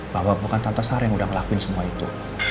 bahwa bukan tante sarah yang udah ngelakuin semua itu